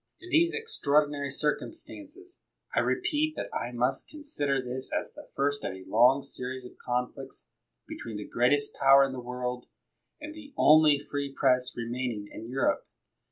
In these extraordinary circustances, I repeat that I must consider this as the first of a long series of conflicts between the greatest power in the world and the only free Press remaining in Europe.